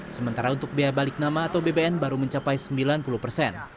sementara untuk biaya balik nama atau bbm baru mencapai sembilan puluh persen